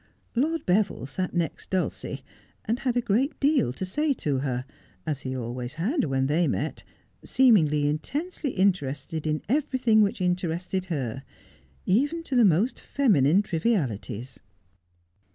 Lord Beville sat next Dulcie, and had a great deal to say to her — as he always had when they met, seeming intensely interested in everything which in terested her — even to the most feminine trivialities.